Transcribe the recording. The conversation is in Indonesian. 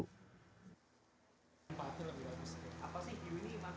itu buat stamina cowok itu ya dicari